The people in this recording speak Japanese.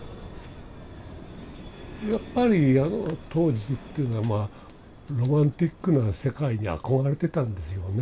やっぱりあの当時っていうのはまあロマンティックな世界に憧れてたんですよね。